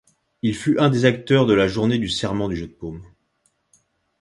Il fut un des acteurs de la journée du Serment du Jeu de paume.